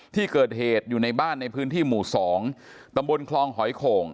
ที่เกิดเหตุอยู่ในบ้านในพื้นที่หมู่๒ตำบลคลองหอยโข่ง